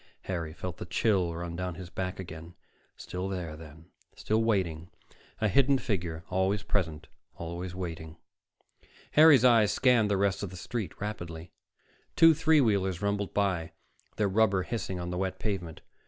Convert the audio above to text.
Harry felt the chill run down his back again. Still there, then, still waiting, a hidden figure, always present, always waiting.... Harry's eyes scanned the rest of the street rapidly. Two three wheelers rumbled by, their rubber hissing on the wet pavement.